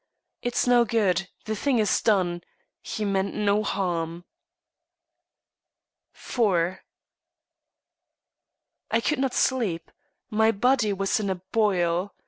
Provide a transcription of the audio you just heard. "It's no good. The thing is done. He meant no harm." IV I could not sleep. My blood was in a boil.